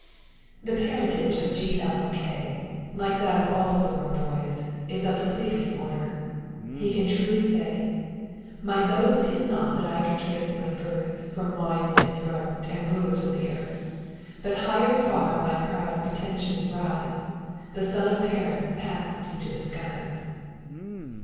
The parentage of G. L. Mackay, like that of all Zorra boys, is of the plebeian order. He can truly say: "My boast is not that I can trace my birth From loins enthroned, and rulers of the earth; But higher far my proud pretensions rise, The son of parents passed into the skies."